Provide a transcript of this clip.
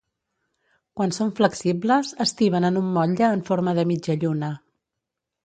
Quan són flexibles, es tiben en un motlle en forma de mitja lluna.